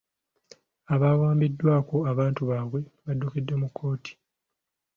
Abaawambibwako abantu baabwe baddukidde mu kkooti.